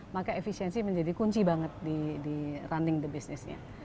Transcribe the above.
maka efisiensi menjadi kunci banget di running the business nya